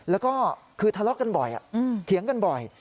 แล้วก็คือทะเลาะกันบ่อยเถียงกันบ่อย